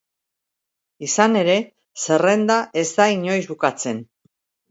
Izan ere, zerrenda ez da inoiz bukatzen.